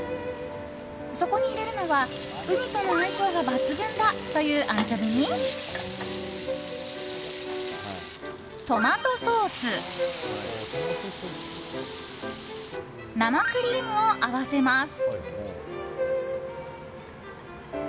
そこに入れるのはウニとの相性が抜群だというアンチョビにトマトソース、生クリームを合わせます。